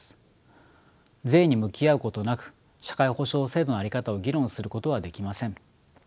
税に向き合うことなく社会保障制度の在り方を議論することはできません。